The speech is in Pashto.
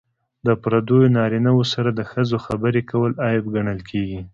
د پردیو نارینه وو سره د ښځو خبرې کول عیب ګڼل کیږي.